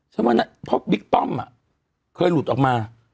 เพราะวิกป้อมอ่ะเคยหลุดออกมา